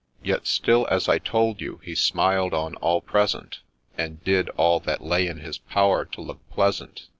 Yet still, as I told you, he smiled on all present, And did all that lay in his power to look pleasant.